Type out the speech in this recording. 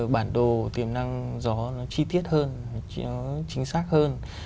bản đồ tiềm năng gió chi tiết hơn chính xác hơn